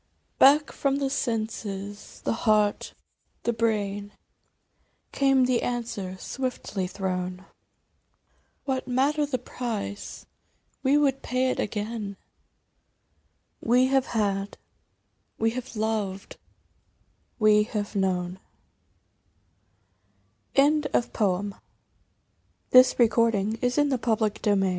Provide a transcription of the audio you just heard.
" Back from the senses, the heart, the brain, Came the answer swiftly thrown, " What matter the price ? we would pay it again, We have had, we have loved, we havejtnown J Invitation to the Jungle THE Jungle gloom